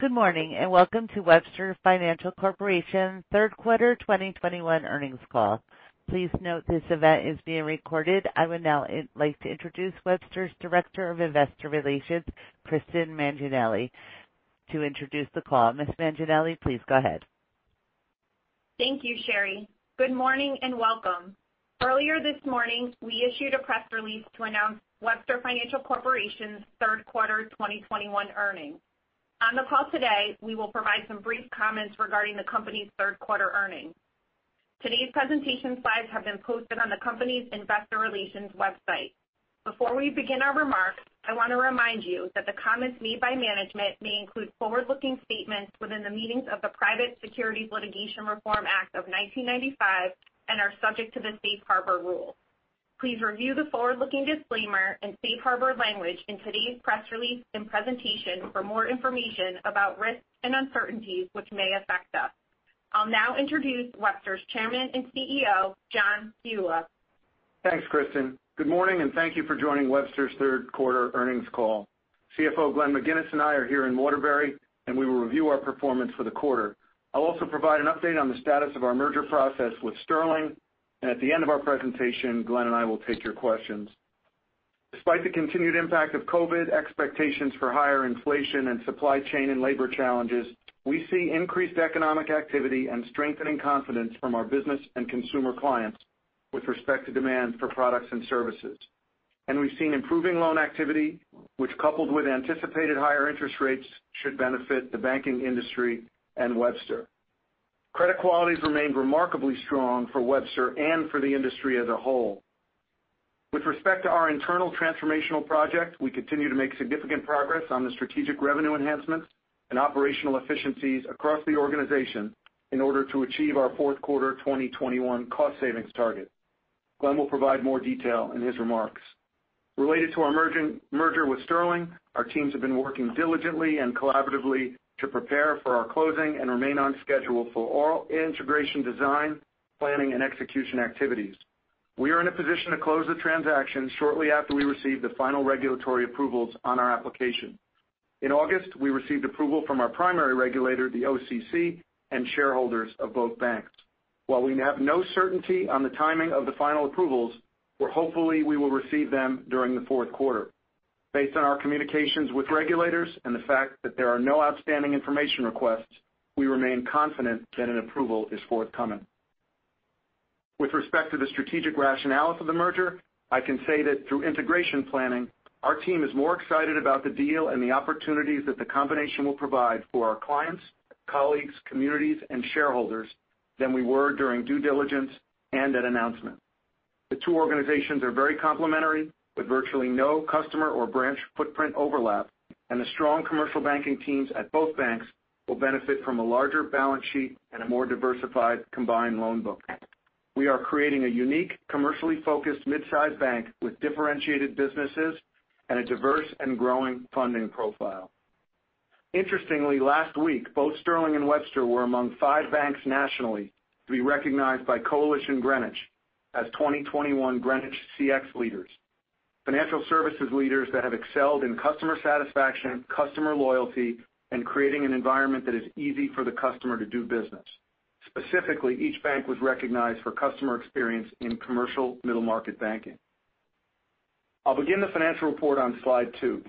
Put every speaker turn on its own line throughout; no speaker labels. Good morning, welcome to Webster Financial Corporation Third Quarter 2021 Earnings Call. Please note this event is being recorded. I would now like to introduce Webster's Director of Investor Relations, Kristen Manginelli, to introduce the call. Ms. Manginelli, please go ahead.
Thank you, Sherry. Good morning, and welcome. Earlier this morning, we issued a press release to announce Webster Financial Corporation's Third Quarter 2021 Earnings. On the call today, we will provide some brief comments regarding the company's third quarter earnings. Today's presentation slides have been posted on the company's investor relations website. Before we begin our remarks, I want to remind you that the comments made by management may include forward-looking statements within the meanings of the Private Securities Litigation Reform Act of 1995 and are subject to the safe harbor rules. Please review the forward-looking disclaimer and safe harbor language in today's press release and presentation for more information about risks and uncertainties which may affect us. I'll now introduce Webster's Chairman and CEO, John Ciulla.
Thanks, Kristen. Good morning, and thank you for joining Webster's Third Quarter Earnings Call. CFO Glenn MacInnes and I are here in Waterbury, and we will review our performance for the quarter. I'll also provide an update on the status of our merger process with Sterling. At the end of our presentation, Glenn and I will take your questions. Despite the continued impact of COVID, expectations for higher inflation and supply chain and labor challenges, we see increased economic activity and strengthening confidence from our business and consumer clients with respect to demand for products and services. We've seen improving loan activity, which, coupled with anticipated higher interest rates, should benefit the banking industry and Webster. Credit quality's remained remarkably strong for Webster and for the industry as a whole. With respect to our internal transformational project, we continue to make significant progress on the strategic revenue enhancements and operational efficiencies across the organization in order to achieve our fourth quarter 2021 cost savings target. Glenn will provide more detail in his remarks. Related to our merger with Sterling, our teams have been working diligently and collaboratively to prepare for our closing and remain on schedule for all integration design, planning, and execution activities. We are in a position to close the transaction shortly after we receive the final regulatory approvals on our application. In August, we received approval from our primary regulator, the OCC, and shareholders of both banks. While we have no certainty on the timing of the final approvals, hopefully we will receive them during the fourth quarter. Based on our communications with regulators and the fact that there are no outstanding information requests, we remain confident that an approval is forthcoming. With respect to the strategic rationale for the merger, I can say that through integration planning, our team is more excited about the deal and the opportunities that the combination will provide for our clients, colleagues, communities, and shareholders than we were during due diligence and at announcement. The two organizations are very complementary with virtually no customer or branch footprint overlap, and the strong commercial banking teams at both banks will benefit from a larger balance sheet and a more diversified combined loan book. We are creating a unique, commercially focused mid-size bank with differentiated businesses and a diverse and growing funding profile. Interestingly, last week, both Sterling and Webster were among five banks nationally to be recognized by Coalition Greenwich as 2021 Greenwich CX Leaders, financial services leaders that have excelled in customer satisfaction, customer loyalty, and creating an environment that is easy for the customer to do business. Specifically, each bank was recognized for customer experience in commercial middle-market banking. I'll begin the financial report on slide two.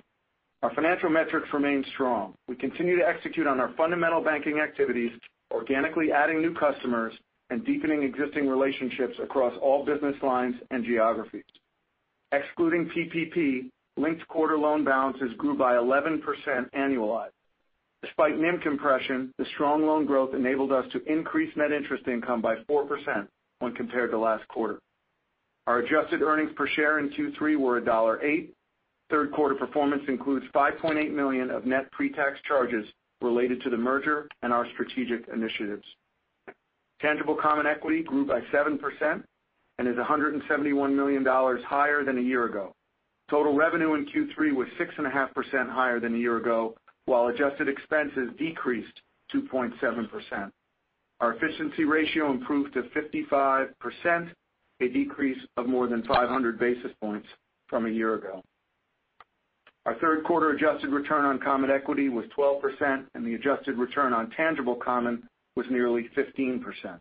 Our financial metrics remain strong. We continue to execute on our fundamental banking activities, organically adding new customers and deepening existing relationships across all business lines and geographies. Excluding PPP, linked quarter loan balances grew by 11% annualized. Despite NIM compression, the strong loan growth enabled us to increase net interest income by 4% when compared to last quarter. Our adjusted earnings per share in Q3 were $1.08. Third quarter performance includes $5.8 million of net pre-tax charges related to the merger and our strategic initiatives. Tangible common equity grew by 7% and is $171 million higher than a year ago. Total revenue in Q3 was 6.5% higher than a year ago, while adjusted expenses decreased 2.7%. Our efficiency ratio improved to 55%, a decrease of more than 500 basis points from a year ago. Our third quarter adjusted return on common equity was 12%, and the adjusted return on tangible common was nearly 15%.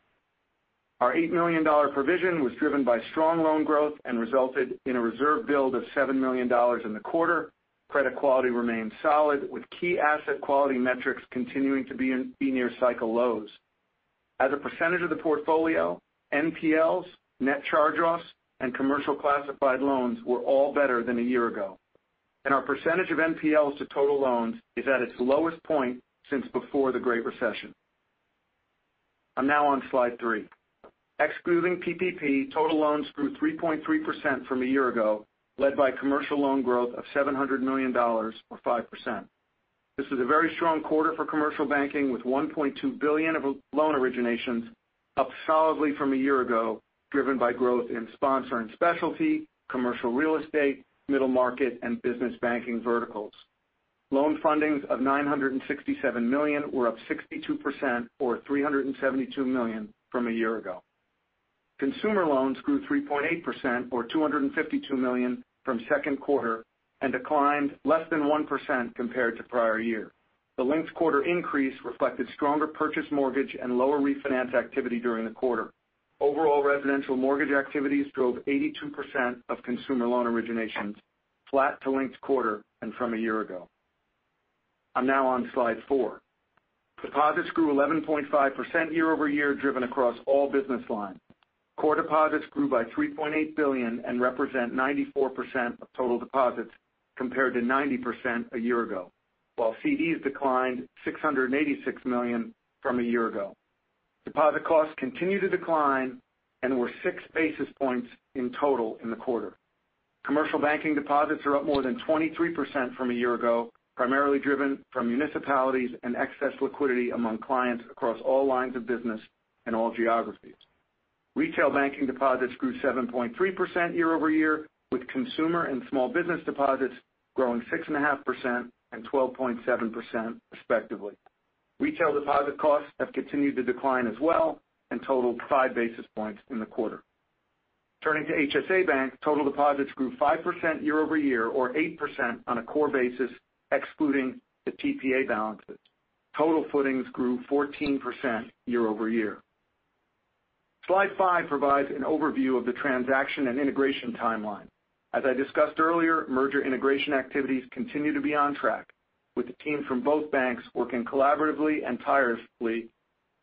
Our $8 million provision was driven by strong loan growth and resulted in a reserve build of $7 million in the quarter. Credit quality remained solid, with key asset quality metrics continuing to be near cycle lows. As a percentage of the portfolio, NPLs, net charge-offs, and commercial classified loans were all better than a year ago. Our percentage of NPLs to total loans is at its lowest point since before the Great Recession. I'm now on slide three. Excluding PPP, total loans grew 3.3% from a year ago, led by commercial loan growth of $700 million, or 5%. This was a very strong quarter for commercial banking, with $1.2 billion of loan originations up solidly from a year ago, driven by growth in sponsor and specialty, commercial real estate, middle market, and business banking verticals. Loan fundings of $967 million were up 62%, or $372 million from a year ago. Consumer loans grew 3.8%, or $252 million from second quarter, and declined less than 1% compared to prior year. The linked quarter increase reflected stronger purchase mortgage and lower refinance activity during the quarter. Overall, residential mortgage activities drove 82% of consumer loan originations, flat to linked quarter and from a year ago. I'm now on slide four. Deposits grew 11.5% year-over-year, driven across all business lines. Core deposits grew by $3.8 billion and represent 94% of total deposits compared to 90% a year ago. While CDs declined $686 million from a year ago. Deposit costs continued to decline and were 6 basis points in total in the quarter. Commercial banking deposits are up more than 23% from a year ago, primarily driven from municipalities and excess liquidity among clients across all lines of business and all geographies. Retail banking deposits grew 7.3% year-over-year, with consumer and small business deposits growing 6.5% and 12.7% respectively. Retail deposit costs have continued to decline as well, and totaled 5 basis points in the quarter. Turning to HSA Bank, total deposits grew 5% year-over-year or 8% on a core basis, excluding the TPA balances. Total footings grew 14% year-over-year. Slide five provides an overview of the transaction and integration timeline. As I discussed earlier, merger integration activities continue to be on track with the team from both banks working collaboratively and tirelessly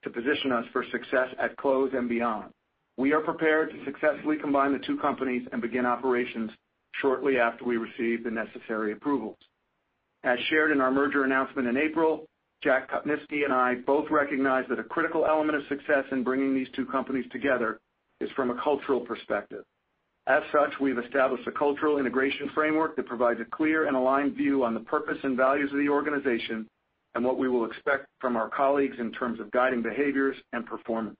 to position us for success at close and beyond. We are prepared to successfully combine the two companies and begin operations shortly after we receive the necessary approvals. As shared in our merger announcement in April, Jack Kopnisky and I both recognize that a critical element of success in bringing these two companies together is from a cultural perspective. As such, we've established a cultural integration framework that provides a clear and aligned view on the purpose and values of the organization and what we will expect from our colleagues in terms of guiding behaviors and performance.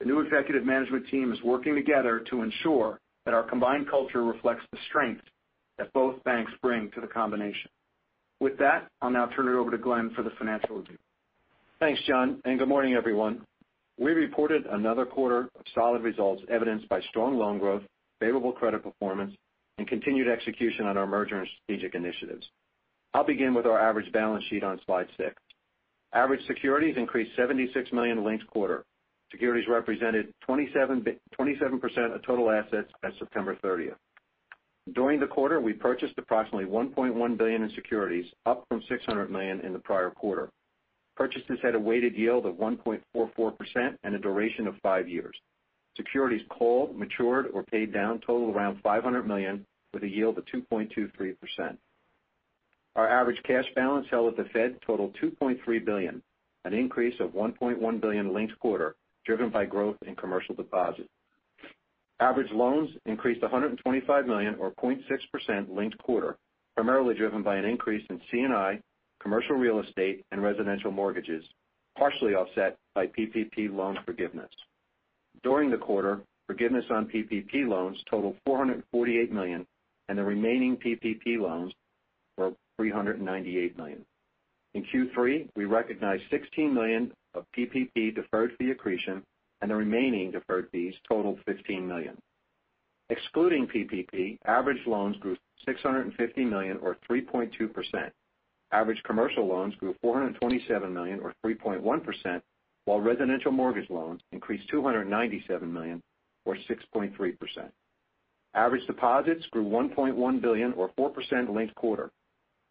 The new executive management team is working together to ensure that our combined culture reflects the strength that both banks bring to the combination. With that, I'll now turn it over to Glenn for the financial review.
Thanks, John. Good morning, everyone. We reported another quarter of solid results evidenced by strong loan growth, favorable credit performance, and continued execution on our merger and strategic initiatives. I'll begin with our average balance sheet on slide six. Average securities increased $76 million linked quarter. Securities represented 27% of total assets as September 30th. During the quarter, we purchased approximately $1.1 billion in securities, up from $600 million in the prior quarter. Purchases had a weighted yield of 1.44% and a duration of five years. Securities called, matured, or paid down total around $500 million with a yield of 2.23%. Our average cash balance held with the Fed totaled $2.3 billion, an increase of $1.1 billion linked quarter, driven by growth in commercial deposits. Average loans increased $125 million or 0.6% linked quarter, primarily driven by an increase in C&I, commercial real estate, and residential mortgages, partially offset by PPP loan forgiveness. During the quarter, forgiveness on PPP loans totaled $448 million, and the remaining PPP loans were $398 million. In Q3, we recognized $16 million of PPP deferred fee accretion and the remaining deferred fees totaled $15 million. Excluding PPP, average loans grew $650 million or 3.2%. Average commercial loans grew $427 million or 3.1%, while residential mortgage loans increased $297 million or 6.3%. Average deposits grew $1.1 billion or 4% linked quarter.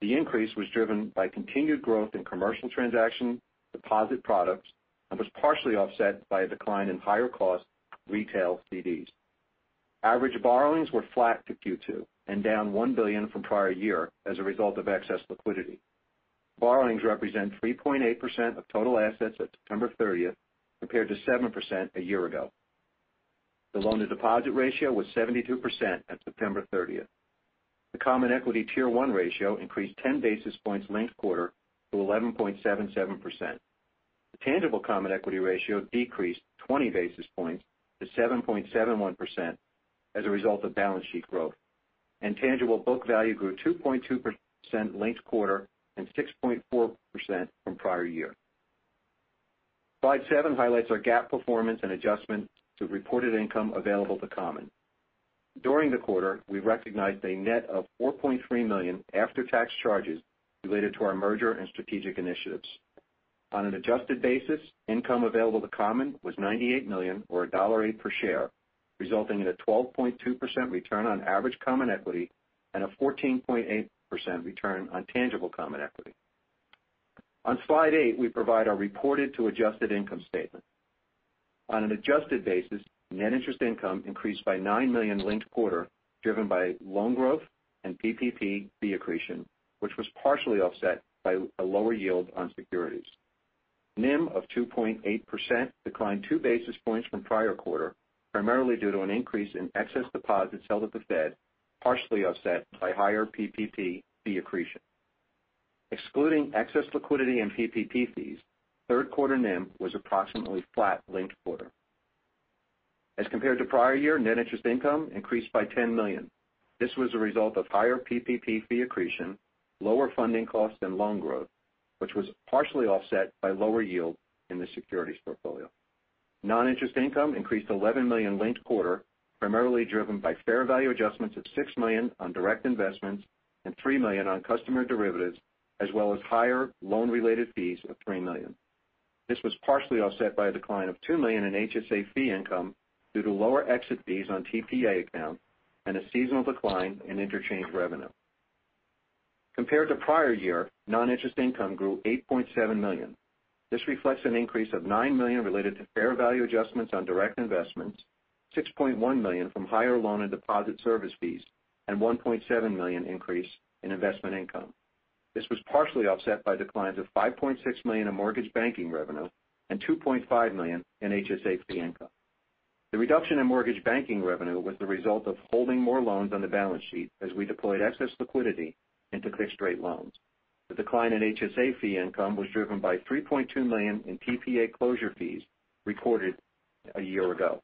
The increase was driven by continued growth in commercial transaction deposit products and was partially offset by a decline in higher cost retail CDs. Average borrowings were flat to Q2 and down $1 billion from prior year as a result of excess liquidity. Borrowings represent 3.8% of total assets at September 30th, compared to 7% a year ago. The loan to deposit ratio was 72% at September 30th. The Common Equity Tier 1 ratio increased 10 basis points linked quarter to 11.77%. The tangible common equity ratio decreased 20 basis points to 7.71% as a result of balance sheet growth. Tangible book value grew 2.2% linked quarter and 6.4% from prior year. Slide seven highlights our GAAP performance and adjustment to reported income available to common. During the quarter, we recognized a net of $4.3 million after-tax charges related to our merger and strategic initiatives. On an adjusted basis, income available to common was $98 million or $1.08 per share, resulting in a 12.2% return on average common equity and a 14.8% return on tangible common equity. On slide eight, we provide our reported to adjusted income statement. On an adjusted basis, net interest income increased by $9 million linked quarter, driven by loan growth and PPP fee accretion, which was partially offset by a lower yield on securities. NIM of 2.8% declined 2 basis points from prior quarter, primarily due to an increase in excess deposits held at the Fed, partially offset by higher PPP fee accretion. Excluding excess liquidity and PPP fees, third quarter NIM was approximately flat linked quarter. As compared to prior year, net interest income increased by $10 million. This was a result of higher PPP fee accretion, lower funding costs, and loan growth, which was partially offset by lower yield in the securities portfolio. Non-interest income increased to $11 million linked quarter, primarily driven by fair value adjustments of $6 million on direct investments and $3 million on customer derivatives, as well as higher loan-related fees of $3 million. This was partially offset by a decline of $2 million in HSA fee income due to lower exit fees on TPA accounts and a seasonal decline in interchange revenue. Compared to prior year, non-interest income grew $8.7 million. This reflects an increase of $9 million related to fair value adjustments on direct investments, $6.1 million from higher loan and deposit service fees, and $1.7 million increase in investment income. This was partially offset by declines of $5.6 million in mortgage banking revenue and $2.5 million in HSA fee income. The reduction in mortgage banking revenue was the result of holding more loans on the balance sheet as we deployed excess liquidity into fixed-rate loans. The decline in HSA fee income was driven by $3.2 million in TPA closure fees recorded a year ago.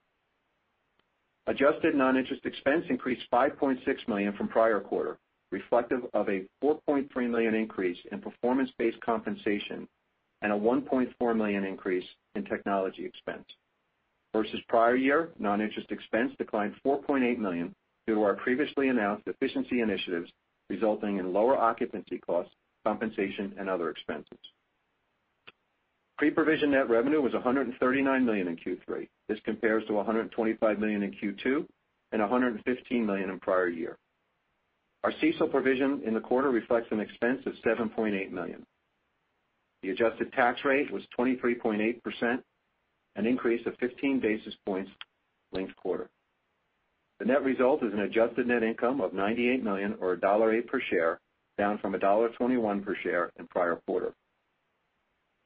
Adjusted non-interest expense increased $5.6 million from prior quarter, reflective of a $4.3 million increase in performance-based compensation and a $1.4 million increase in technology expense. Versus prior year, non-interest expense declined $4.8 million due to our previously announced efficiency initiatives, resulting in lower occupancy costs, compensation, and other expenses. Pre-provision net revenue was $139 million in Q3. This compares to $125 million in Q2 and $115 million in prior year. Our CECL provision in the quarter reflects an expense of $7.8 million. The adjusted tax rate was 23.8%, an increase of 15 basis points linked quarter. The net result is an adjusted net income of $98 million or $1.08 per share, down from $1.21 per share in prior quarter.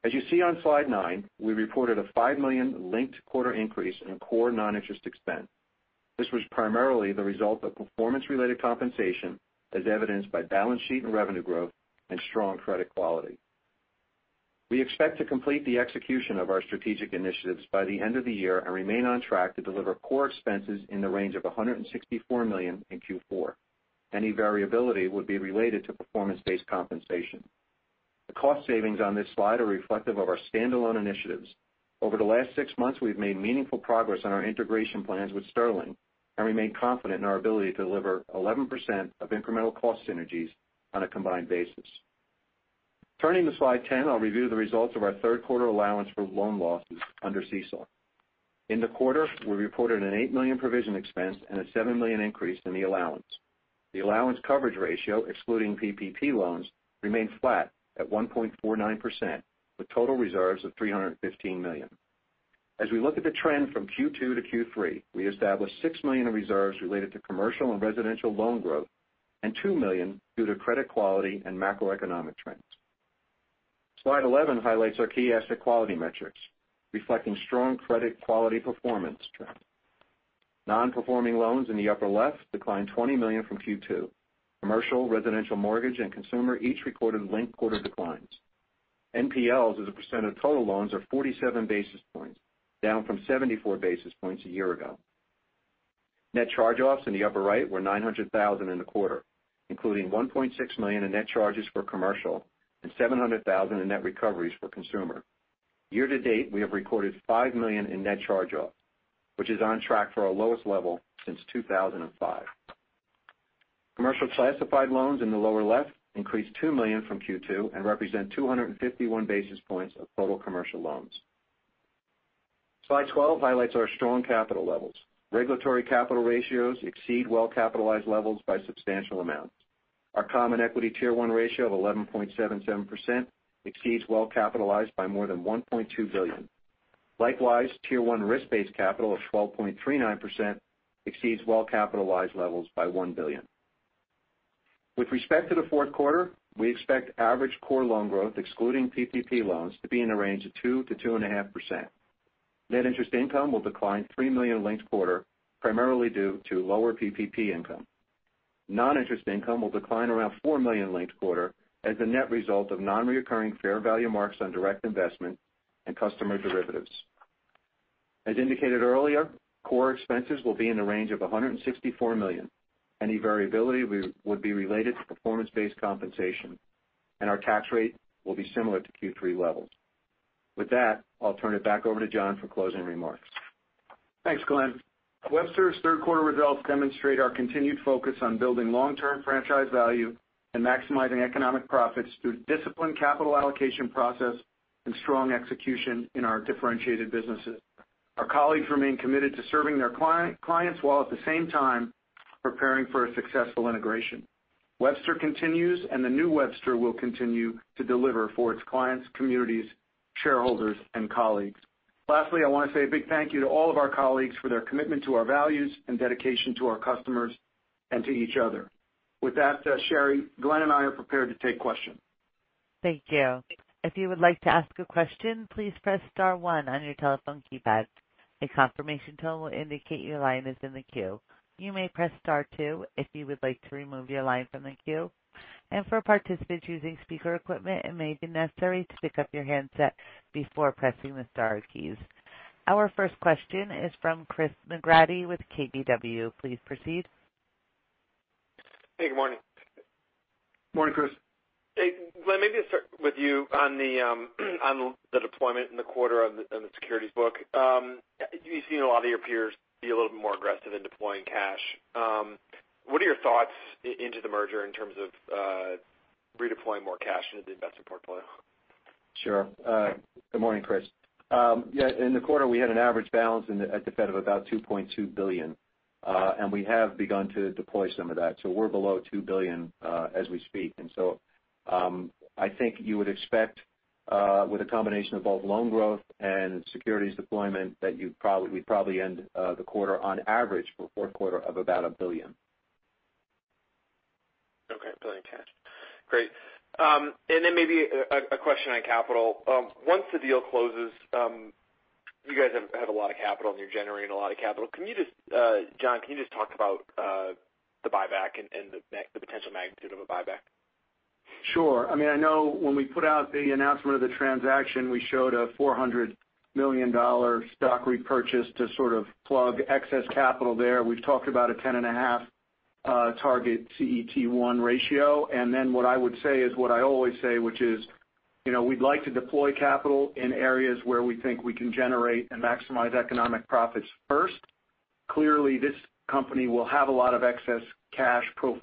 As you see on slide nine, we reported a $5 million linked quarter increase in core non-interest expense. This was primarily the result of performance-related compensation as evidenced by balance sheet and revenue growth and strong credit quality. We expect to complete the execution of our strategic initiatives by the end of the year and remain on track to deliver core expenses in the range of $164 million in Q4. Any variability would be related to performance-based compensation. The cost savings on this slide are reflective of our standalone initiatives. Over the last six months, we've made meaningful progress on our integration plans with Sterling and remain confident in our ability to deliver 11% of incremental cost synergies on a combined basis. Turning to slide 10, I'll review the results of our third quarter allowance for loan losses under CECL. In the quarter, we reported an $8 million provision expense and a $7 million increase in the allowance. The allowance coverage ratio, excluding PPP loans, remained flat at 1.49%, with total reserves of $315 million. As we look at the trend from Q2 to Q3, we established $6 million in reserves related to commercial and residential loan growth and $2 million due to credit quality and macroeconomic trends. Slide 11 highlights our key asset quality metrics, reflecting strong credit quality performance trends. Non-performing loans in the upper left declined $20 million from Q2. Commercial, residential mortgage, and consumer each recorded linked quarter declines. NPLs as a percent of total loans are 47 basis points, down from 74 basis points a year ago. Net charge-offs in the upper right were $900,000 in the quarter, including $1.6 million in net charges for commercial and $700,000 in net recoveries for consumer. Year to date, we have recorded $5 million in net charge-offs, which is on track for our lowest level since 2005. Commercial classified loans in the lower left increased $2 million from Q2 and represent 251 basis points of total commercial loans. Slide 12 highlights our strong capital levels. Regulatory capital ratios exceed well-capitalized levels by substantial amounts. Our Common Equity Tier 1 ratio of 11.77% exceeds well-capitalized by more than $1.2 billion. Likewise, Tier 1 risk-based capital of 12.39% exceeds well-capitalized levels by $1 billion. With respect to the fourth quarter, we expect average core loan growth, excluding PPP loans, to be in the range of 2%-2.5%. Net interest income will decline $3 million linked quarter, primarily due to lower PPP income. Non-interest income will decline around $4 million linked quarter as a net result of non-reoccurring fair value marks on direct investment and customer derivatives. As indicated earlier, core expenses will be in the range of $164 million. Any variability would be related to performance-based compensation, and our tax rate will be similar to Q3 levels. With that, I'll turn it back over to John for closing remarks.
Thanks, Glenn. Webster's third quarter results demonstrate our continued focus on building long-term franchise value and maximizing economic profits through disciplined capital allocation process and strong execution in our differentiated businesses. Our colleagues remain committed to serving their clients while at the same time preparing for a successful integration. Webster continues, and the new Webster will continue to deliver for its clients, communities, shareholders, and colleagues. Lastly, I want to say a big thank you to all of our colleagues for their commitment to our values and dedication to our customers and to each other. With that, Sherry, Glenn and I are prepared to take questions.
Thank you. If you would like to ask a question, please press star one on your telephone keypad. A confirmation tone will indicate your line is in the queue. You may press star two if you would like to remove your line from the queue. For participants using speaker equipment, it may be necessary to pick up your handset before pressing the star keys. Our first question is from Chris McGratty with KBW. Please proceed.
Hey, good morning.
Morning, Chris.
Hey. Glenn, maybe to start with you on the deployment in the quarter on the securities book. You've seen a lot of your peers be a little bit more aggressive in deploying cash. What are your thoughts into the merger in terms of redeploying more cash into the investment portfolio?
Sure. Good morning, Chris. Yeah, in the quarter, we had an average balance at the Fed of about $2.2 billion. We have begun to deploy some of that. We're below $2 billion as we speak. I think you would expect with a combination of both loan growth and securities deployment, that we'd probably end the quarter on average for 4th quarter of about $1 billion.
Okay. $1 billion cash. Great. Maybe a question on capital. Once the deal closes, you guys have had a lot of capital, and you're generating a lot of capital. John, can you just talk about the buyback and the potential magnitude of a buyback?
Sure. I know when we put out the announcement of the transaction, we showed a $400 million stock repurchase to sort of plug excess capital there. We've talked about a 10.5 target CET1 ratio. What I would say is what I always say, which is we'd like to deploy capital in areas where we think we can generate and maximize economic profits first. Clearly, this company will have a lot of excess cash capital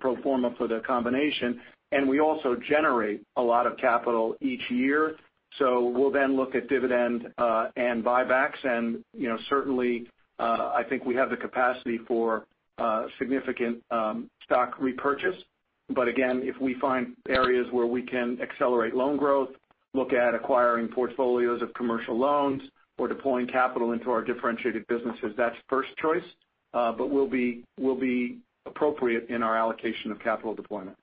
pro forma for the combination, and we also generate a lot of capital each year. We'll then look at dividend and buybacks, and certainly, I think we have the capacity for significant stock repurchase. Again, if we find areas where we can accelerate loan growth, look at acquiring portfolios of commercial loans or deploying capital into our differentiated businesses, that's first choice. We'll be appropriate in our allocation of capital deployment.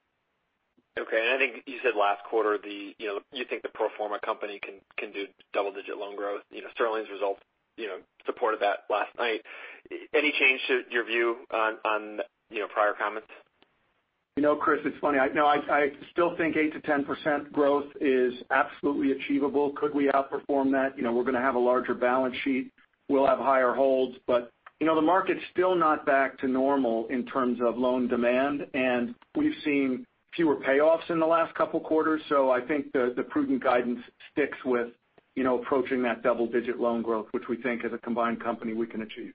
Okay. I think you said last quarter you think the pro forma company can do double-digit loan growth. Sterling's results supported that last night. Any change to your view on prior comments?
You know, Chris, it's funny. No, I still think 8%-10% growth is absolutely achievable. Could we outperform that? We're going to have a larger balance sheet. We'll have higher holds, but the market's still not back to normal in terms of loan demand, and we've seen fewer payoffs in the last couple of quarters. I think the prudent guidance sticks with approaching that double-digit loan growth, which we think as a combined company we can achieve.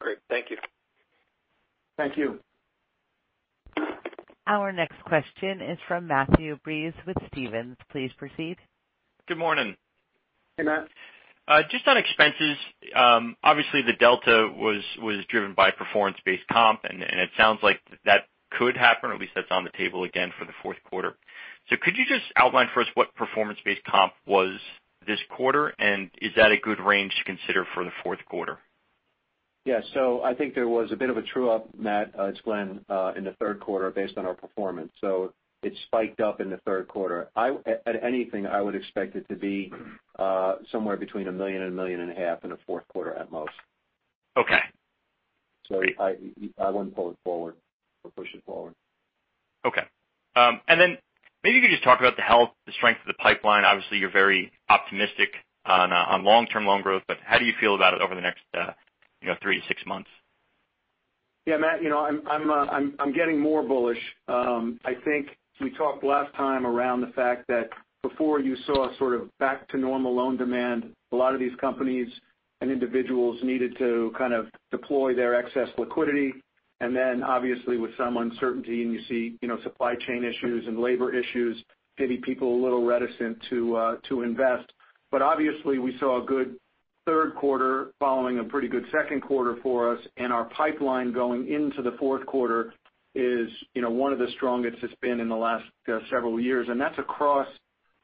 Great. Thank you.
Thank you.
Our next question is from Matthew Breese with Stephens. Please proceed.
Good morning.
Hey, Matt.
Just on expenses. Obviously, the delta was driven by performance-based comp, and it sounds like that could happen, or at least that's on the table again for the fourth quarter. Could you just outline for us what performance-based comp was this quarter, and is that a good range to consider for the fourth quarter?
Yeah. I think there was a bit of a true-up, Matt, it's when in the third quarter based on our performance. It spiked up in the third quarter. At anything, I would expect it to be somewhere between $1 million and $1.5 million in the fourth quarter at most.
Okay.
I wouldn't pull it forward or push it forward.
Okay. Maybe you could just talk about the health, the strength of the pipeline. Obviously, you're very optimistic on long-term loan growth, but how do you feel about it over the next three to six months?
Yeah, Matt. I'm getting more bullish. I think we talked last time around the fact that before you saw sort of back to normal loan demand, a lot of these companies and individuals needed to kind of deploy their excess liquidity. Obviously with some uncertainty and you see supply chain issues and labor issues, maybe people a little reticent to invest. Obviously we saw a good third quarter following a pretty good second quarter for us. Our pipeline going into the fourth quarter is one of the strongest it's been in the last several years. That's across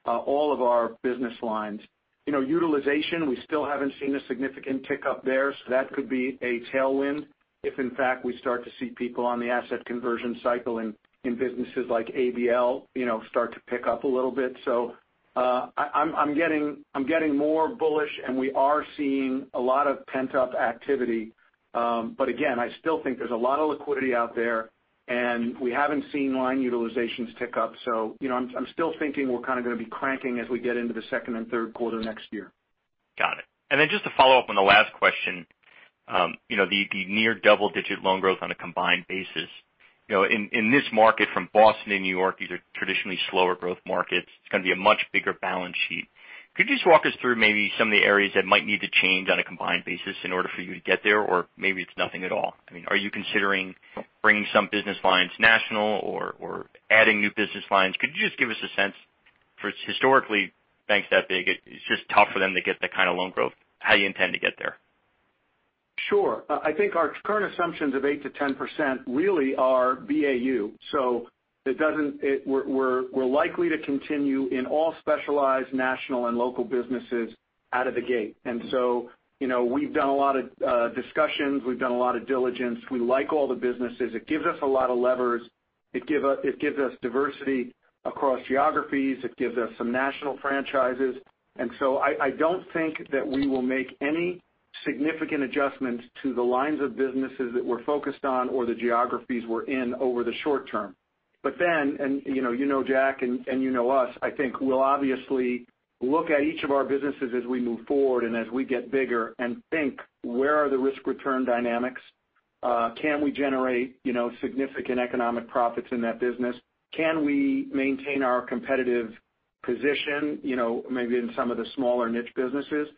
all of our business lines. Utilization, we still haven't seen a significant tick-up there. That could be a tailwind if in fact we start to see people on the asset conversion cycle in businesses like ABL start to pick up a little bit. I'm getting more bullish, and we are seeing a lot of pent-up activity. Again, I still think there's a lot of liquidity out there, and we haven't seen line utilizations tick up. I'm still thinking we're kind of going to be cranking as we get into the second and third quarter next year.
Got it. Just to follow up on the last question. The near double-digit loan growth on a combined basis. In this market from Boston and New York, these are traditionally slower growth markets. It's going to be a much bigger balance sheet. Could you just walk us through maybe some of the areas that might need to change on a combined basis in order for you to get there? Or maybe it's nothing at all. Are you considering bringing some business lines national or adding new business lines? Could you just give us a sense for historically banks that big, it's just tough for them to get that kind of loan growth. How do you intend to get there?
Sure. I think our current assumptions of 8%-10% really are BAU. We're likely to continue in all specialized national and local businesses out of the gate. We've done a lot of discussions. We've done a lot of diligence. We like all the businesses. It gives us a lot of levers. It gives us diversity across geographies. It gives us some national franchises. I don't think that we will make any significant adjustments to the lines of businesses that we're focused on or the geographies we're in over the short term. And you know Jack and you know us, I think we'll obviously look at each of our businesses as we move forward and as we get bigger and think, where are the risk-return dynamics? Can we generate significant economic profits in that business? Can we maintain our competitive position maybe in some of the smaller niche businesses?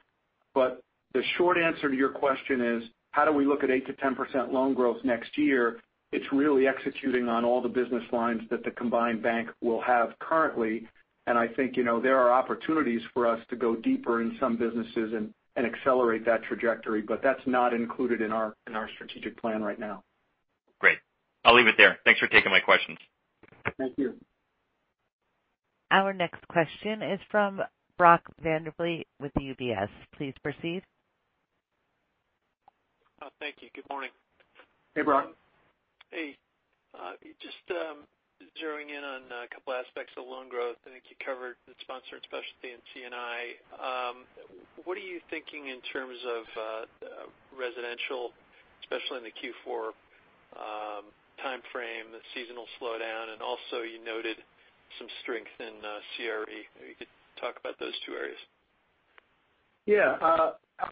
The short answer to your question is, how do we look at 8%-10% loan growth next year? It's really executing on all the business lines that the combined bank will have currently. I think there are opportunities for us to go deeper in some businesses and accelerate that trajectory, but that's not included in our strategic plan right now.
Great. I'll leave it there. Thanks for taking my questions.
Thank you.
Our next question is from Brock Vandervliet with UBS. Please proceed.
Thank you. Good morning.
Hey, Brock.
Hey. Just zeroing in on a couple aspects of loan growth. I think you covered the sponsored specialty in C&I. What are you thinking in terms of residential, especially in the Q4 timeframe, the seasonal slowdown, and also you noted some strength in CRE. Maybe you could talk about those two areas.
Yeah.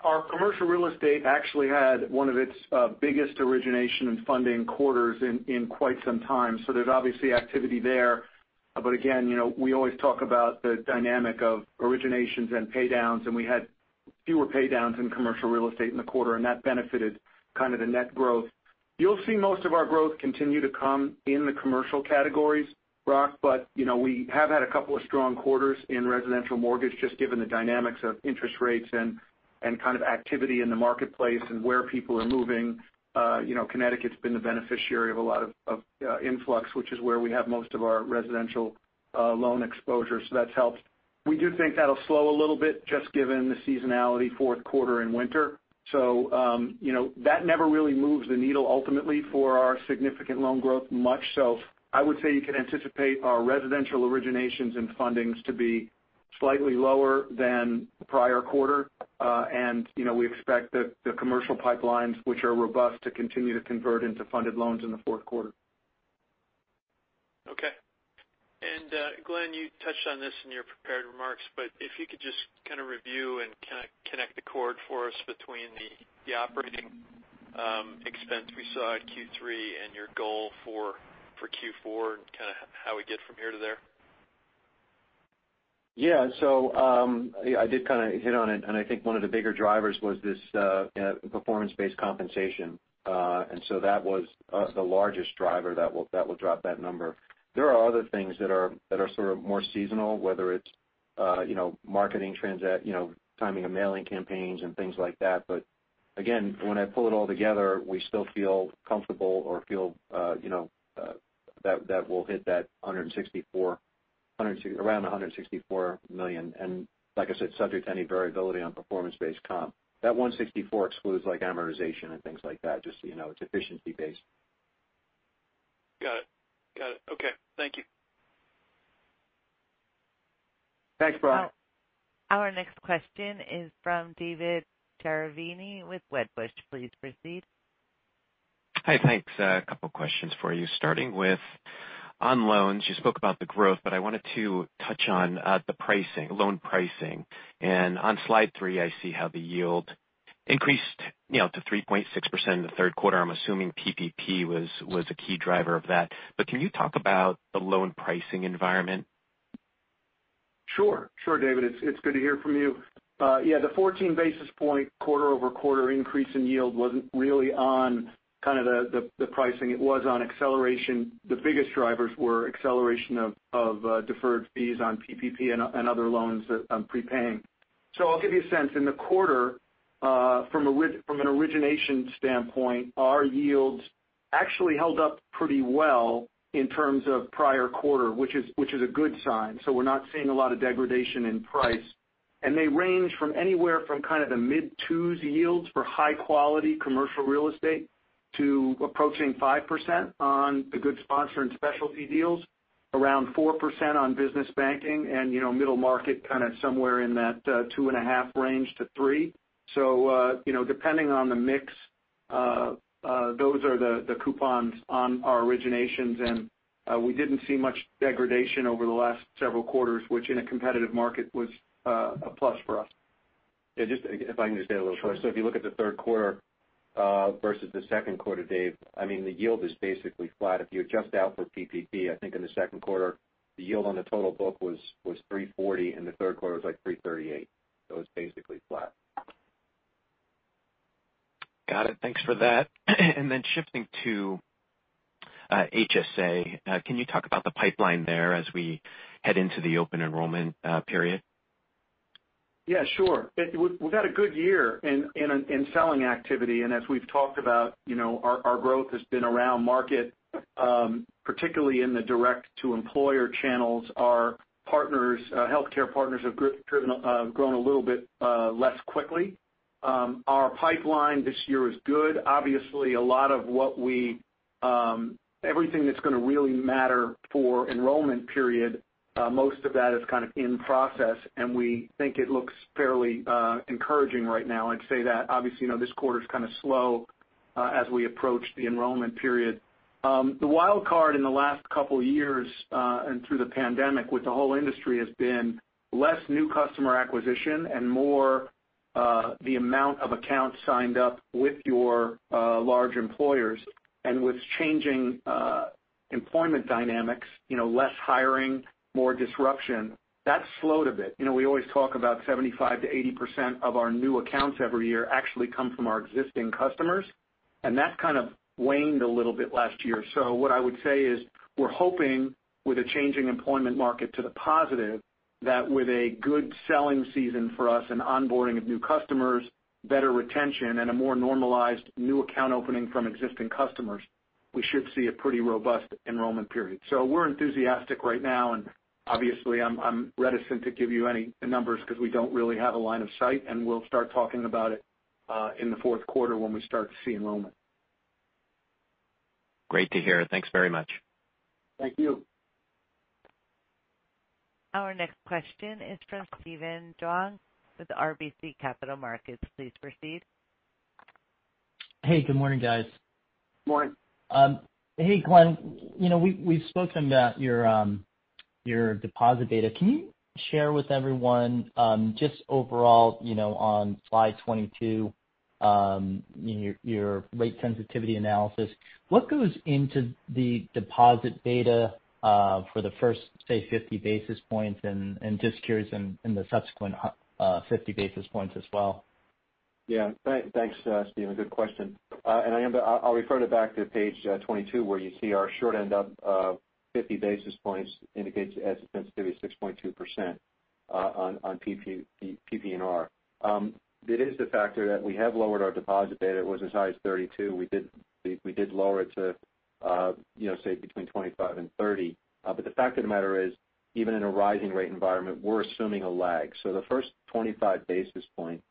Our commercial real estate actually had one of its biggest origination and funding quarters in quite some time. There's obviously activity there. Again, we always talk about the dynamic of originations and pay-downs, and we had fewer pay-downs in commercial real estate in the quarter, and that benefited kind of the net growth. You'll see most of our growth continue to come in the commercial categories, Brock, but we have had a couple of strong quarters in residential mortgage, just given the dynamics of interest rates and kind of activity in the marketplace and where people are moving. Connecticut's been the beneficiary of a lot of influx, which is where we have most of our residential loan exposure. That's helped. We do think that'll slow a little bit just given the seasonality fourth quarter and winter. That never really moves the needle ultimately for our significant loan growth much. I would say you can anticipate our residential originations and fundings to be slightly lower than prior quarter. We expect that the commercial pipelines, which are robust, to continue to convert into funded loans in the fourth quarter.
Okay. Glenn, you touched on this in your prepared remarks, but if you could just kind of review and kind of connect the chord for us between the operating expense we saw at Q3 and your goal for Q4 and kind of how we get from here to there?
I did kind of hit on it, and I think one of the bigger drivers was this performance-based compensation. That was the largest driver that will drop that number. There are other things that are sort of more seasonal, whether it's marketing trends, timing of mailing campaigns and things like that. Again, when I pull it all together, we still feel comfortable or feel that we'll hit that around $164 million. Like I said, subject to any variability on performance-based comp. That $164 excludes amortization and things like that, just so you know. It's efficiency based.
Got it. Okay, thank you.
Thanks, Brock.
Our next question is from David Chiaverini with Wedbush. Please proceed.
Hi, thanks. A couple questions for you. Starting with on loans, you spoke about the growth. I wanted to touch on the loan pricing. On slide three, I see how the yield increased to 3.6% in the third quarter. I'm assuming PPP was a key driver of that. Can you talk about the loan pricing environment?
Sure, David. It's good to hear from you. Yeah, the 14 basis point quarter-over-quarter increase in yield wasn't really on kind of the pricing. It was on acceleration. The biggest drivers were acceleration of deferred fees on PPP and other loans prepaying. I'll give you a sense. In the quarter, from an origination standpoint, our yields actually held up pretty well in terms of prior quarter, which is a good sign. We're not seeing a lot of degradation in price. They range from anywhere from kind of the mid-two's yields for high-quality commercial real estate to approaching 5% on the good sponsor and specialty deals, around 4% on business banking and middle market, kind of somewhere in that two and a half range to three. Depending on the mix, those are the coupons on our originations. We didn't see much degradation over the last several quarters, which in a competitive market was a plus for us.
Yeah, just if I can just add a little.
Sure.
If you look at the third quarter versus the second quarter, Dave, I mean, the yield is basically flat. If you adjust out for PPP, I think in the second quarter, the yield on the total book was 3.40%, and the third quarter was like 3.38%. It's basically flat.
Got it. Thanks for that. Shifting to HSA. Can you talk about the pipeline there as we head into the open enrollment period?
Yeah, sure. We've had a good year in selling activity. As we've talked about, our growth has been around market, particularly in the direct-to-employer channels. Our healthcare partners have grown a little bit less quickly. Our pipeline this year is good. Obviously, everything that's going to really matter for enrollment period Most of that is kind of in process. We think it looks fairly encouraging right now. I'd say that obviously, this quarter's kind of slow as we approach the enrollment period. The wild card in the last couple of years, and through the pandemic with the whole industry, has been less new customer acquisition and more the amount of accounts signed up with your large employers. With changing employment dynamics, less hiring, more disruption, that slowed a bit. We always talk about 75%-80% of our new accounts every year actually come from our existing customers, and that kind of waned a little bit last year. What I would say is we're hoping with a changing employment market to the positive, that with a good selling season for us and onboarding of new customers, better retention, and a more normalized new account opening from existing customers, we should see a pretty robust enrollment period. We're enthusiastic right now, and obviously I'm reticent to give you any numbers because we don't really have a line of sight, and we'll start talking about it in the fourth quarter when we start to see enrollment.
Great to hear. Thanks very much.
Thank you.
Our next question is from Steven Duong with RBC Capital Markets. Please proceed.
Hey, good morning, guys.
Morning.
Hey, Glenn. We've spoken about your deposit data. Can you share with everyone, just overall, on slide 22, your rate sensitivity analysis? What goes into the deposit data for the first, say, 50 basis points and just curious in the subsequent 50 basis points as well?
Thanks, Steven. Good question. I'll refer it back to page 22, where you see our short end up 50 basis points indicates asset sensitivity 6.2% on PPNR. It is a factor that we have lowered our deposit beta. It was as high as 32. We did lower it to say between 25 and 30. The fact of the matter is, even in a rising rate environment, we're assuming a lag. The first 25 basis points,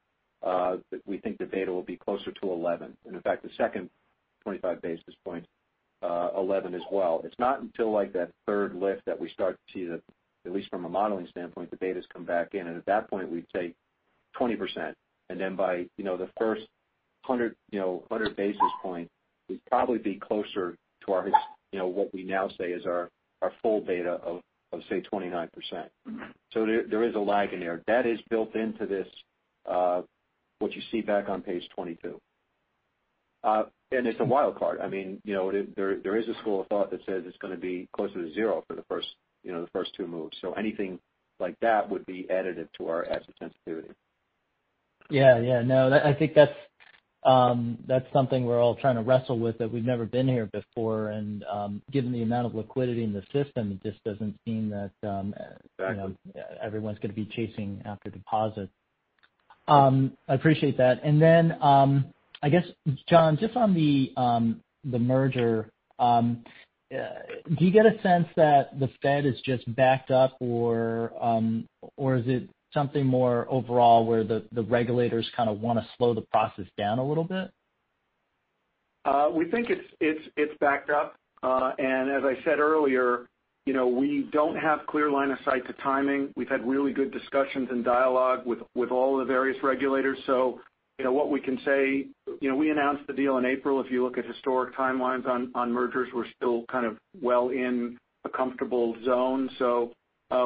we think the beta will be closer to 11. In fact, the second 25 basis points, 11 as well. It's not until that third lift that we start to see that at least from a modeling standpoint, the betas come back in. At that point, we'd say 20%. By the first 100 basis points, we'd probably be closer to what we now say is our full beta of, say, 29%. There is a lag in there. That is built into this, what you see back on page 22. It's a wild card. There is a school of thought that says it's going to be closer to zero for the first two moves. Anything like that would be additive to our asset sensitivity.
Yeah. No, I think that's something we're all trying to wrestle with that we've never been here before. Given the amount of liquidity in the system, it just doesn't seem that.
Exactly
Everyone's going to be chasing after deposits. I appreciate that. I guess, John, just on the merger, do you get a sense that the Fed is just backed up or is it something more overall where the regulators kind of want to slow the process down a little bit?
We think it's backed up. As I said earlier, we don't have clear line of sight to timing. What we can say, we announced the deal in April. If you look at historic timelines on mergers, we're still kind of well in a comfortable zone.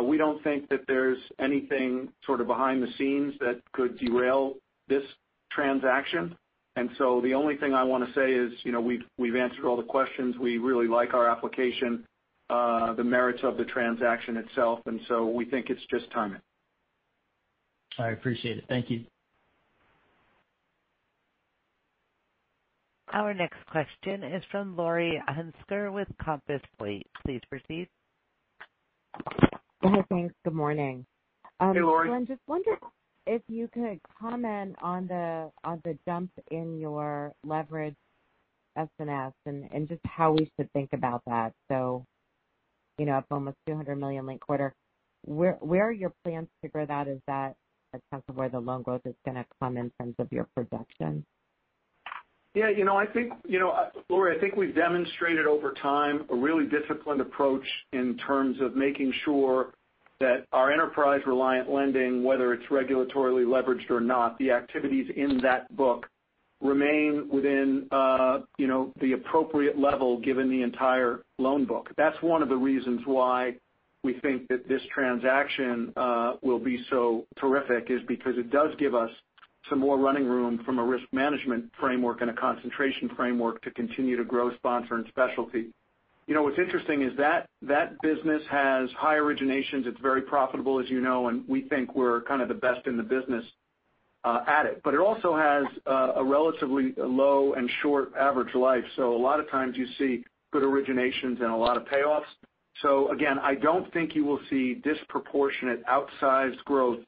We don't think that there's anything sort of behind the scenes that could derail this transaction. The only thing I want to say is we've answered all the questions. We really like our application, the merits of the transaction itself, and so we think it's just timing.
I appreciate it. Thank you.
Our next question is from Laurie Hunsicker with Compass. Please proceed.
Hi. Thanks. Good morning.
Hey, Laurie.
Glenn, just wonder if you could comment on the jump in your leverage S&S and just how we should think about that. Up almost $200 million linked quarter. Where are your plans to grow that? Is that a sense of where the loan growth is going to come in terms of your production?
Laurie, I think we've demonstrated over time a really disciplined approach in terms of making sure that our enterprise-reliant lending, whether it's regulatorily leveraged or not, the activities in that book remain within the appropriate level given the entire loan book. That's one of the reasons why we think that this transaction will be so terrific is because it does give us some more running room from a risk management framework and a concentration framework to continue to grow sponsor and specialty. What's interesting is that that business has high originations. It's very profitable, as you know, and we think we're kind of the best in the business at it. It also has a relatively low and short average life. A lot of times you see good originations and a lot of payoffs. Again, I don't think you will see disproportionate outsized growth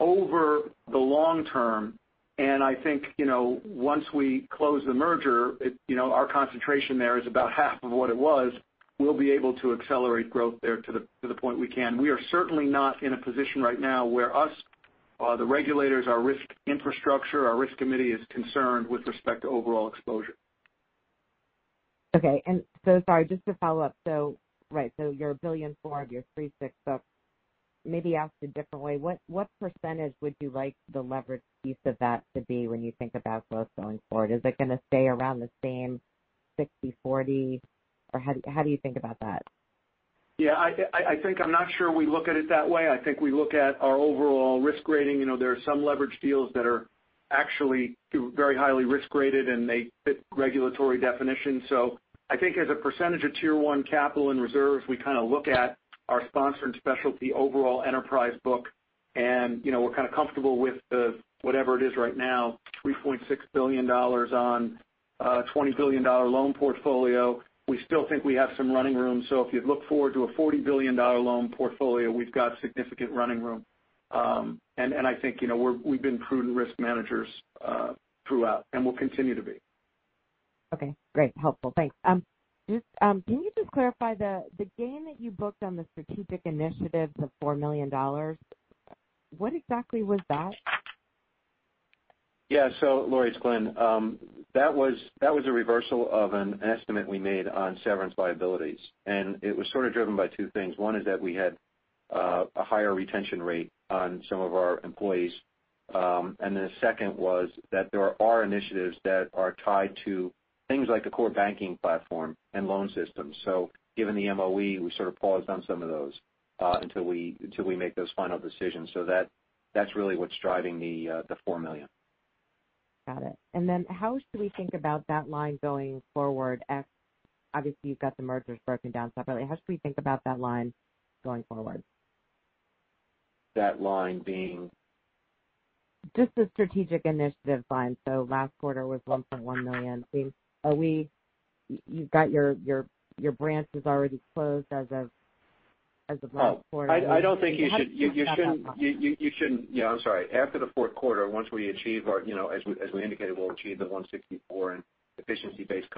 over the long term. And, I think once we close the merger, our concentration there is about half of what it was. We'll be able to accelerate growth there to the point we can. We are certainly not in a position right now where us, the regulators, our risk infrastructure, our risk committee is concerned with respect to overall exposure.
Okay. Sorry, just to follow up. Right, so you're $1.4 billion, you're $3.6 billion up. Maybe asked a differently, what percentage would you like the leverage piece of that to be when you think about growth going forward? Is it going to stay around the same 60%/40%? How do you think about that?
Yeah. I think I'm not sure we look at it that way. I think we look at our overall risk rating. There are some leverage deals that are actually very highly risk rated, and they fit regulatory definition. I think as a percentage of Tier 1 capital and reserves, we kind of look at our sponsor and specialty overall enterprise book. We're kind of comfortable with the, whatever it is right now, $3.6 billion on a $20 billion loan portfolio. We still think we have some running room. If you look forward to a $40 billion loan portfolio, we've got significant running room. I think we've been prudent risk managers throughout, and we'll continue to be.
Okay. Great. Helpful. Thanks. Can you just clarify the gain that you booked on the strategic initiatives of $4 million? What exactly was that?
Yeah. Laurie, it's Glenn. That was a reversal of an estimate we made on severance liabilities. It was sort of driven by two things. One is that we had a higher retention rate on some of our employees. The second was that there are initiatives that are tied to things like the core banking platform and loan systems. Given the MOE, we sort of paused on some of those until we make those final decisions. That's really what's driving the $4 million.
Got it. How should we think about that line going forward obviously, you've got the mergers broken down separately. How should we think about that line going forward?
That line being?
Just the strategic initiative line. Last quarter was $1.1 million. You've got your branches already closed as of last quarter.
I don't think you should.
How should we think about that line?
I'm sorry. After the fourth quarter, once we achieve, as we indicated, we'll achieve the 164 in efficiency-based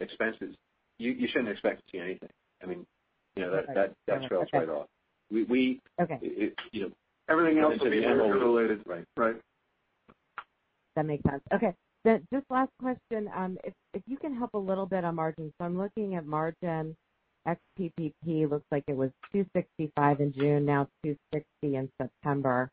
expenses. You shouldn't expect to see anything. I mean, that trails right off.
Okay.
Everything else would be interest related.
Right.
That makes sense. Okay. Just last question. If you can help a little bit on margin. I'm looking at margin ex PPP. Looks like it was 265 in June, now it's 260 in September.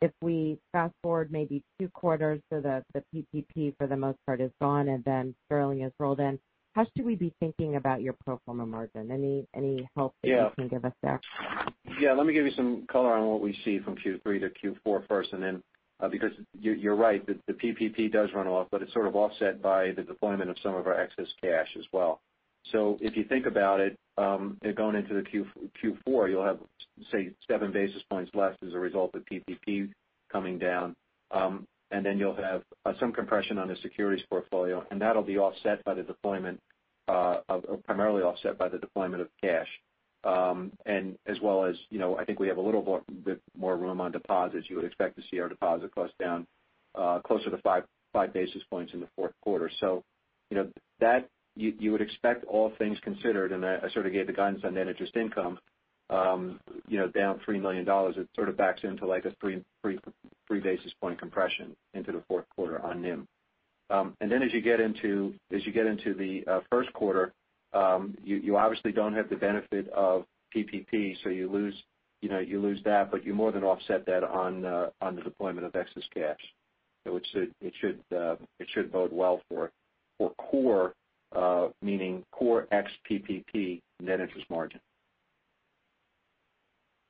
If we fast-forward maybe two quarters, the PPP for the most part is gone, and then Sterling is rolled in. How should we be thinking about your pro forma margin? Any help that you can give us there?
Yeah. Let me give you some color on what we see from Q3 to Q4 first. Because you're right, the PPP does run off, but it's sort of offset by the deployment of some of our excess cash as well. If you think about it, going into the Q4, you'll have, say, 7 basis points less as a result of PPP coming down. You'll have some compression on the securities portfolio. That'll be primarily offset by the deployment of cash. As well as, I think we have a little bit more room on deposits. You would expect to see our deposit cost down closer to 5 basis points in the fourth quarter. You would expect all things considered. I sort of gave the guidance on net interest income, down $3 million. It sort of backs into like a 3 basis point compression into the fourth quarter on NIM. As you get into the first quarter, you obviously don't have the benefit of PPP, so you lose that, but you more than offset that on the deployment of excess cash. It should bode well for core, meaning core ex PPP net interest margin.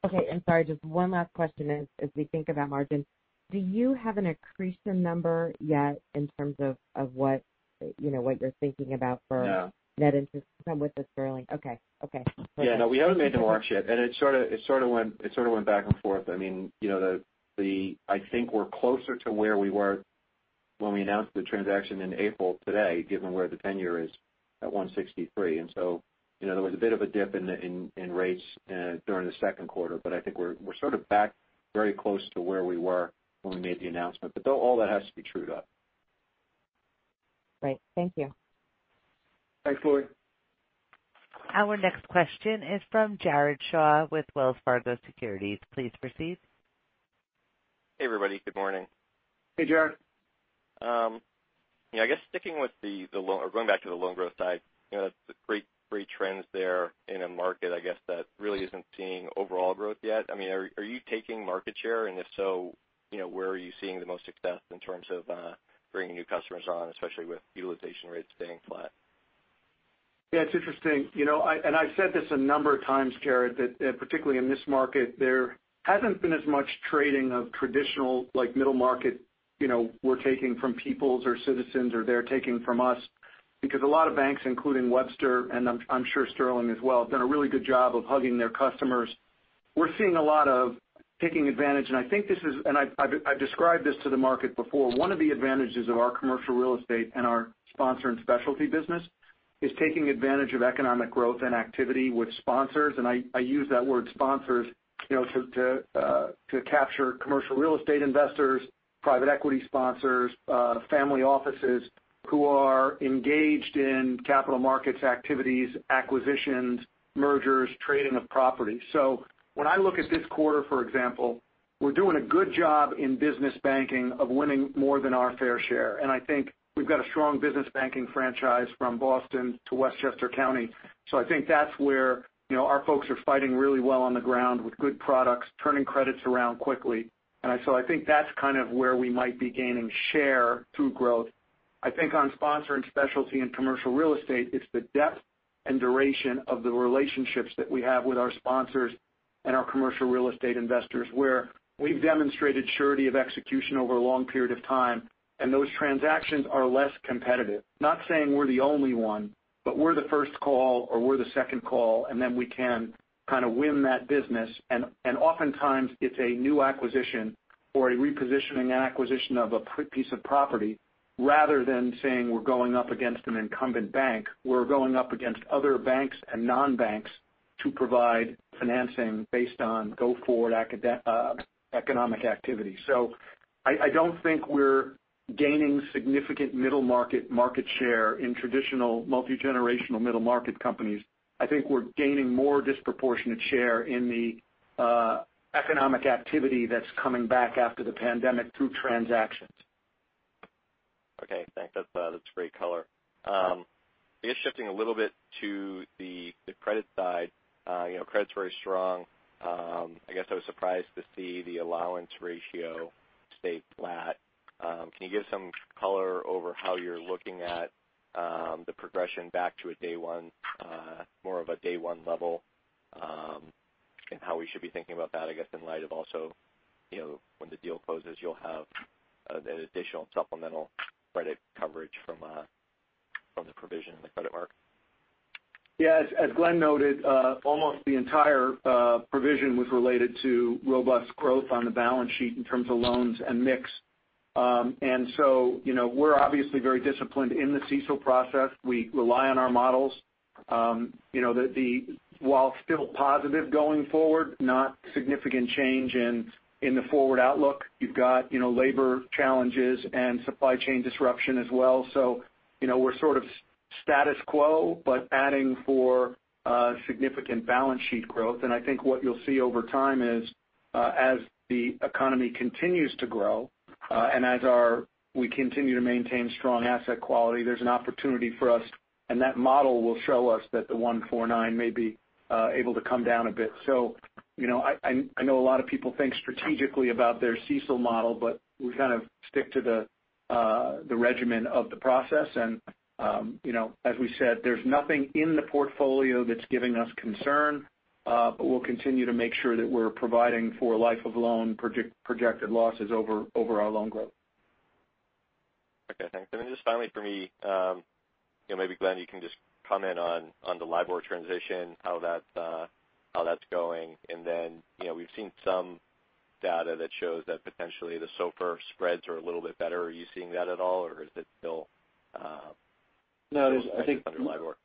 Okay. Sorry, just one last question is as we think about margin. Do you have an accretion number yet in terms of what you're thinking about for-
No.
Net interest income with the Sterling? Okay.
Yeah. No, we haven't made the mark yet, and it sort of went back and forth. I think we're closer to where we were when we announced the transaction in April today, given where the tenure is at 163. There was a bit of a dip in rates during the second quarter, but I think we're sort of back very close to where we were when we made the announcement. All that has to be trued up.
Great. Thank you.
Thanks, Laurie.
Our next question is from Jared Shaw with Wells Fargo Securities. Please proceed.
Hey, everybody. Good morning.
Hey, Jared.
Yeah, I guess sticking with the loan or going back to the loan growth side. The great trends there in a market, I guess, that really isn't seeing overall growth yet. Are you taking market share? If so, where are you seeing the most success in terms of bringing new customers on, especially with utilization rates staying flat?
Yeah, it's interesting. I've said this a number of times, Jared, that particularly in this market, there hasn't been as much trading of traditional middle market we're taking from Peoples or Citizens or they're taking from us because a lot of banks, including Webster, and I'm sure Sterling as well, have done a really good job of hugging their customers. We're seeing a lot of taking advantage. I've described this to the market before. One of the advantages of our commercial real estate and our sponsor and specialty business is taking advantage of economic growth and activity with sponsors. I use that word sponsors to capture commercial real estate investors, private equity sponsors, family offices who are engaged in capital markets activities, acquisitions, mergers, trading of property. When I look at this quarter, for example. We're doing a good job in business banking of winning more than our fair share. I think we've got a strong business banking franchise from Boston to Westchester County. I think that's where our folks are fighting really well on the ground with good products, turning credits around quickly. I think that's kind of where we might be gaining share through growth. I think on sponsor and specialty in commercial real estate, it's the depth and duration of the relationships that we have with our sponsors and our commercial real estate investors, where we've demonstrated surety of execution over a long period of time. Those transactions are less competitive. Not saying we're the only one, but we're the first call or we're the second call. We can kind of win that business. Oftentimes it's a new acquisition or a repositioning acquisition of a piece of property rather than saying we're going up against an incumbent bank. We're going up against other banks and non-banks to provide financing based on go-forward economic activity. I don't think we're gaining significant middle-market, market share in traditional multigenerational middle-market companies. I think we're gaining more disproportionate share in the economic activity that's coming back after the pandemic through transactions.
Okay, thanks. That's great color. Maybe shifting a little bit to the credit side. Credit's very strong. I guess I was surprised to see the allowance ratio stay flat. Can you give some color over how you're looking at the progression back to more of a day one level? How we should be thinking about that, I guess, in light of also when the deal closes, you'll have an additional supplemental credit coverage from the provision in the credit market.
Yes. As Glenn noted, almost the entire provision was related to robust growth on the balance sheet in terms of loans and mix. We're obviously very disciplined in the CECL process. We rely on our models. While still positive going forward, not significant change in the forward outlook. You've got labor challenges and supply chain disruption as well. We're sort of status quo, but adding for significant balance sheet growth. I think what you'll see over time is as the economy continues to grow, and as we continue to maintain strong asset quality, there's an opportunity for us, and that model will show us that the 149 may be able to come down a bit. I know a lot of people think strategically about their CECL model, but we kind of stick to the regimen of the process. As we said, there's nothing in the portfolio that's giving us concern. We'll continue to make sure that we're providing for life of loan projected losses over our loan growth.
Okay, thanks. Just finally for me, maybe Glenn, you can just comment on the LIBOR transition, how that's going. We've seen some data that shows that potentially the SOFR spreads are a little bit better. Are you seeing that at all or is it?
No.
Under LIBOR.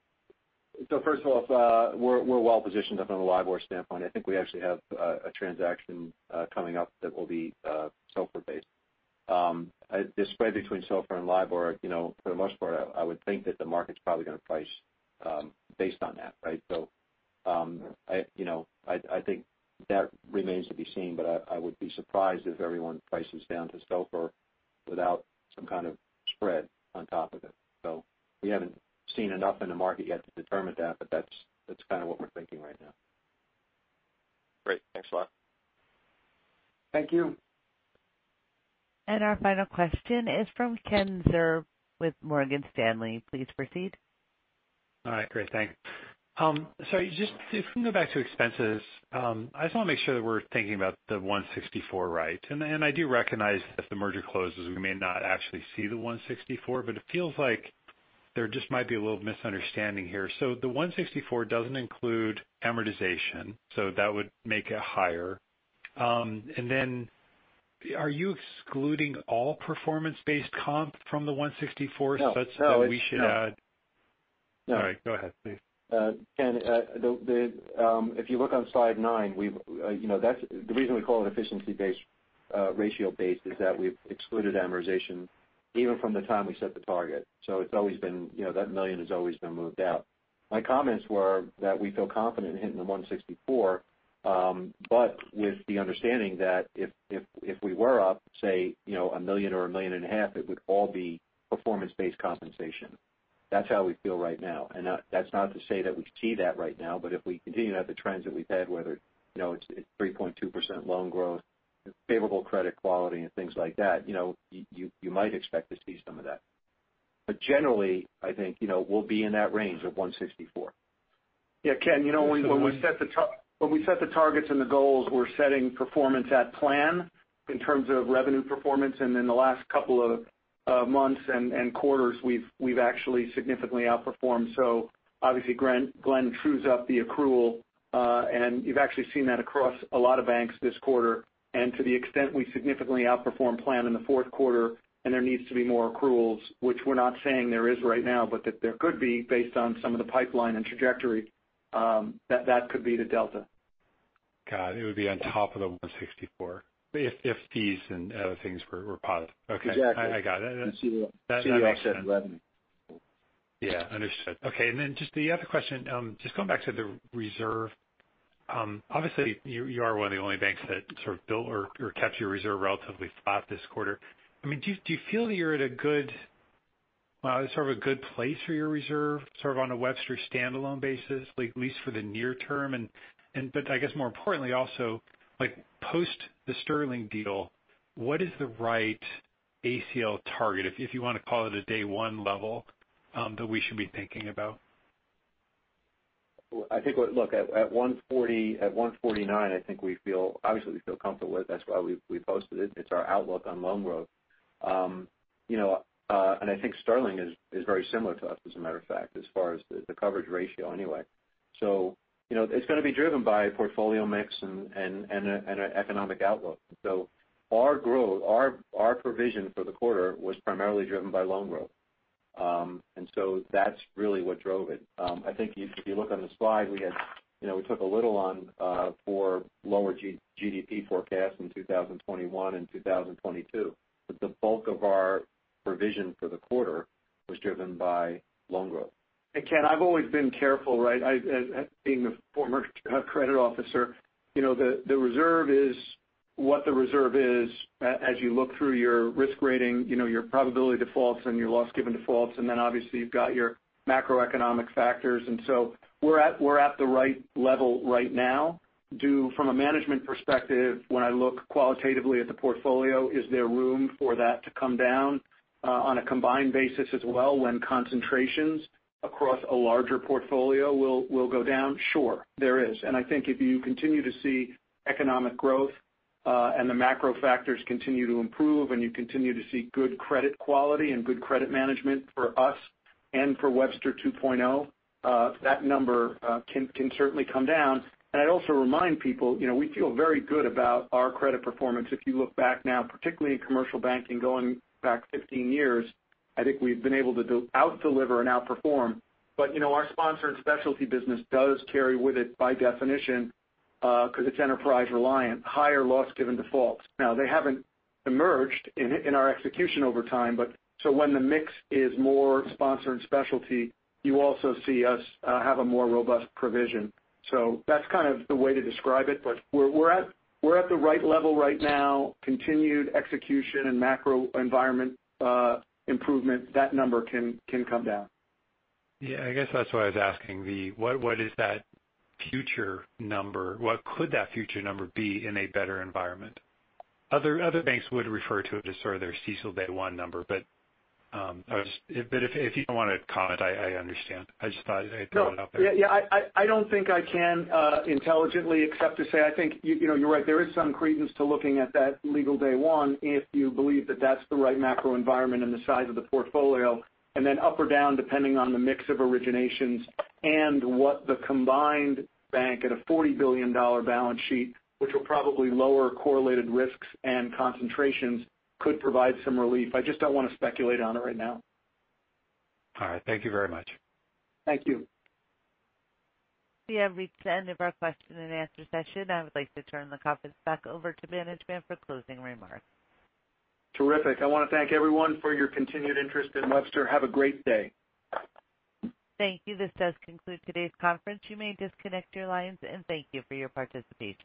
First of all, we're well positioned up on the LIBOR standpoint. I think we actually have a transaction coming up that will be SOFR based. The spread between SOFR and LIBOR, for the most part, I would think that the market's probably going to price based on that, right? I think that remains to be seen, but I would be surprised if everyone prices down to SOFR without some kind of spread on top of it. We haven't seen enough in the market yet to determine that, but that's kind of what we're thinking right now.
Great. Thanks a lot.
Thank you.
Our final question is from Ken Zerbe with Morgan Stanley. Please proceed.
All right. Great. Thanks. If we can go back to expenses. I just want to make sure that we're thinking about the $164 right. I do recognize if the merger closes, we may not actually see the $164, but it feels like there just might be a little misunderstanding here. The $164 doesn't include amortization, so that would make it higher. Are you excluding all performance-based comp from the $164?
No.
We should add.
No.
All right. Go ahead, please.
Ken, if you look on slide nine, the reason we call it efficiency-based, ratio-based is that we've excluded amortization even from the time we set the target. That million has always been moved out. My comments were that we feel confident hitting the $164, with the understanding that if we were up, say, $1 million or $1.5 million, it would all be performance-based compensation. That's how we feel right now. That's not to say that we see that right now, if we continue to have the trends that we've had, whether it's 3.2% loan growth, favorable credit quality, and things like that, you might expect to see some of that. Generally, I think we'll be in that range of $164.
Ken, when we set the targets and the goals, we're setting performance at plan in terms of revenue performance. In the last couple of months and quarters, we've actually significantly outperformed. Obviously Glenn trues up the accrual. You've actually seen that across a lot of banks this quarter. To the extent we significantly outperform plan in the fourth quarter and there needs to be more accruals, which we're not saying there is right now, but that there could be based on some of the pipeline and trajectory, that that could be the delta.
Got it. It would be on top of the $164 if fees and other things were positive. Okay.
Exactly.
I got it.
CLO asset revenue.
Yeah. Understood. Okay. Just the other question, just going back to the reserve. Obviously, you are one of the only banks that sort of built or kept your reserve relatively flat this quarter. Do you feel that you're at a good place for your reserve, sort of on a Webster standalone basis, at least for the near term? I guess more importantly also, post the Sterling deal, what is the right ACL target? If you want to call it a day one level that we should be thinking about.
I think, look, at $149, I think obviously we feel comfortable with. That's why we posted it. It's our outlook on loan growth. I think Sterling is very similar to us, as a matter of fact, as far as the coverage ratio anyway. It's going to be driven by portfolio mix and economic outlook. Our provision for the quarter was primarily driven by loan growth. That's really what drove it. I think if you look on the slide, we took a little on for lower GDP forecasts in 2021 and 2022. The bulk of our provision for the quarter was driven by loan growth.
Ken, I've always been careful, right? Being a former credit officer. The reserve is what the reserve is as you look through your risk rating, your probability defaults and your loss given defaults, and then obviously you've got your macroeconomic factors. We're at the right level right now. From a management perspective, when I look qualitatively at the portfolio, is there room for that to come down on a combined basis as well when concentrations across a larger portfolio will go down? Sure. There is. I think if you continue to see economic growth, and the macro factors continue to improve, and you continue to see good credit quality and good credit management for us and for Webster 2.0, that number can certainly come down. I'd also remind people, we feel very good about our credit performance. If you look back now, particularly in commercial banking going back 15 years, I think we've been able to out-deliver and outperform. Our sponsor and specialty business does carry with it by definition because it's enterprise-reliant, higher loss given defaults. Now, they haven't emerged in our execution over time. When the mix is more sponsor and specialty, you also see us have a more robust provision. That's kind of the way to describe it. We're at the right level right now. Continued execution and macro environment improvement, that number can come down.
Yeah, I guess that's why I was asking. What is that future number? What could that future number be in a better environment? Other banks would refer to it as sort of their CECL day one number. If you don't want to comment, I understand. I just thought I'd throw it out there.
No. Yeah. I don't think I can intelligently except to say, I think you're right. There is some credence to looking at that legal day one if you believe that that's the right macro environment and the size of the portfolio. And then up or down depending on the mix of originations and what the combined bank at a $40 billion balance sheet, which will probably lower correlated risks and concentrations could provide some relief. I just don't want to speculate on it right now.
All right. Thank you very much.
Thank you.
We have reached the end of our question and answer session. I would like to turn the conference back over to management for closing remarks.
Terrific. I want to thank everyone for your continued interest in Webster. Have a great day.
Thank you. This does conclude today's conference. You may disconnect your lines, and thank you for your participation.